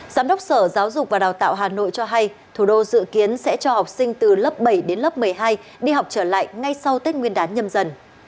giám đốc sở giáo dục và đào tạo hà nội cho hay thủ đô dự kiến sẽ cho học sinh từ lớp bảy đến lớp một mươi hai đi học trở lại ngay sau tết nguyên đán nhâm dần